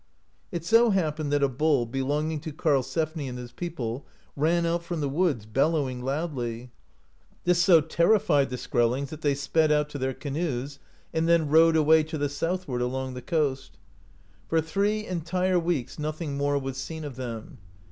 It so happened that a bull, belonging to Karlsefni and his people, ran out from the woods, bellowing loudly. This so terrified the Skrellings, that they sped out to their canoes, and then rowed away to the southward along the coast. For three entire weeks nothing more was seen of them.